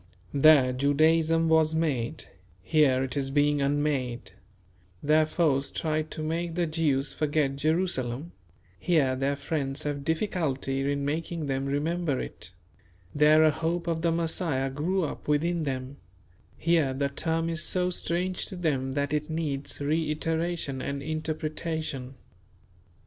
There Judaism was made, here it is being unmade; there foes tried to make the Jews forget Jerusalem, here their friends have difficulty in making them remember it; there a hope of the Messiah grew up within them, here the term is so strange to them that it needs reiteration and interpretation.